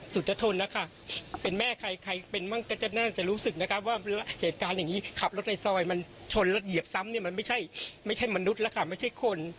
ซ้ำนี้มันไม่ใช่มนุษย์ล่ะค่ะไม่ใช่คน